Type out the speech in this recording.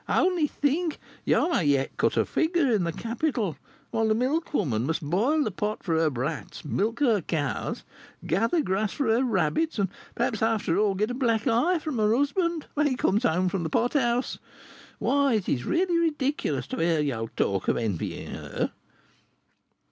Only think, you may yet cut a figure in the capital, whilst the milkwoman must boil the pot for her brats, milk her cows, gather grass for her rabbits, and, perhaps, after all, get a black eye from her husband when he comes home from the pot house. Why, it is really ridiculous to hear you talk of envying her."